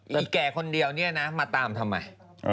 แต่แก่คนเดียวเนี่ยนะมาตามทำไม